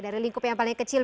dari lingkup yang paling kecil